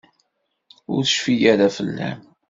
Ur tecfi ara fell-am.